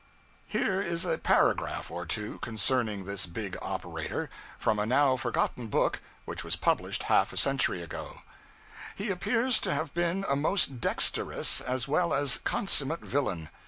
Here is a paragraph or two concerning this big operator, from a now forgotten book which was published half a century ago He appears to have been a most dexterous as well as consummate villain.